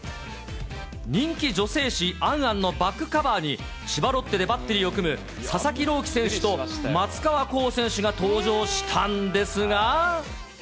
人気女性誌、アンアンのバックカバーに、千葉ロッテでバッテリーを組む、佐々木朗希投手と松川虎生選手が登場したんですが。